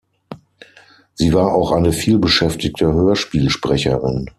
Sie war auch eine vielbeschäftigte Hörspielsprecherin.